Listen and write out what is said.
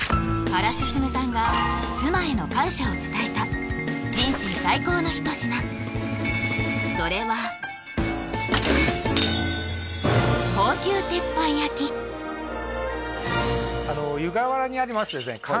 原晋さんが妻への感謝を伝えた人生最高の一品それは高級鉄板焼き湯河原にありますですね